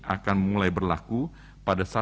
akan mulai berlaku pada